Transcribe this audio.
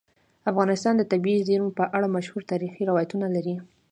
افغانستان د طبیعي زیرمې په اړه مشهور تاریخی روایتونه لري.